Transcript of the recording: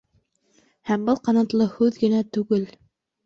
Һәм был ҡанатлы һүҙ генә түгел.